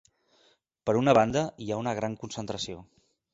Per una banda, hi ha una gran concentració.